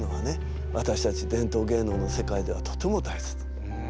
わたしたち伝統芸能の世界ではとても大切。